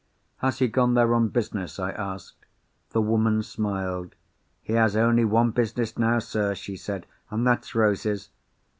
"Has he gone there on business?" I asked. The woman smiled. "He has only one business now, sir," she said; "and that's roses.